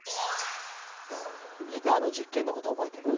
ギターの実験の事覚えてる？